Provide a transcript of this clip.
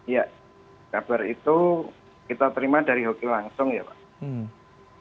ya kabar itu kita terima dari hoki langsung ya pak